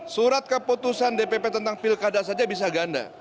surat keputusan dpp tentang pilkada saja bisa ganda